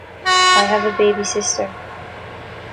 I have a baby sister!